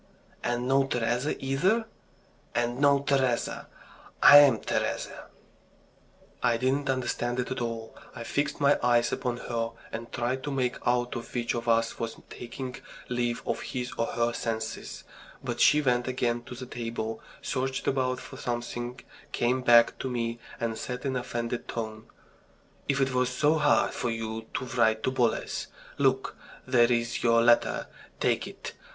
"And no Teresa either?" "And no Teresa. I'm Teresa." I didn't understand it at all. I fixed my eyes upon her, and tried to make out which of us was taking leave of his or her senses. But she went again to the table, searched about for something, came back to me, and said in an offended tone: "If it was so hard for you to write to Boles, look, there's your letter, take it!